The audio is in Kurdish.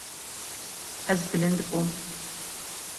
Ez bilind bûm.